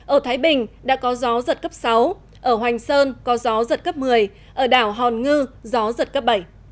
ở thái bình đã có gió giật cấp sáu ở hoành sơn có gió giật cấp một mươi ở đảo hòn ngư gió giật cấp bảy